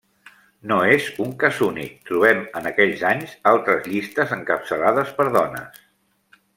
No és un cas únic, trobem en aquells anys altres llistes encapçalades per dones.